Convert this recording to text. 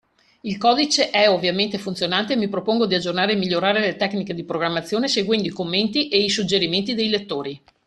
Il codice è, ovviamente, funzionante e mi propongo di aggiornare e migliorare le tecniche di programmazione seguendo i commenti e i suggerimenti dei lettori.